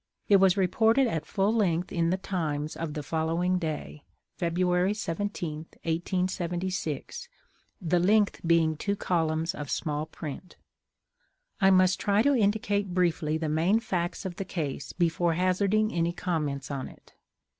It was reported at full length in the Times of the following day, Feb. 17, 1876, the length being two columns of small print. I must try to indicate briefly the main facts of the case, before hazarding any comments on it.